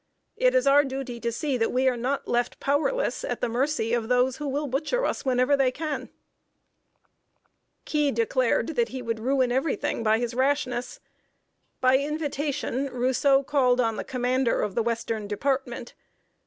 It is our duty to see that we are not left powerless at the mercy of those who will butcher us whenever they can." [Sidenote: ROUSSEAU'S VISIT TO WASHINGTON.] Key declared that he would ruin every thing by his rashness. By invitation, Rousseau called on the commander of the Western Department.